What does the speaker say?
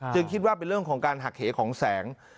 คิดว่าเป็นเรื่องของการหักเหของแสง